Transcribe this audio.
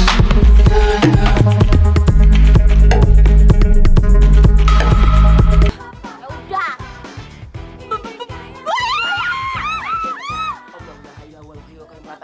oh uler sangat keras tuh